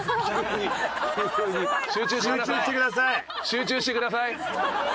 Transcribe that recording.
集中してください。